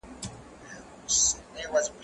کېدای سي کالي ګنده وي؟